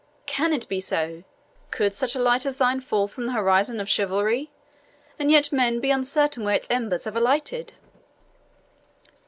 can it be so? Could such a light as thine fall from the horizon of chivalry, and yet men be uncertain where its embers had alighted?"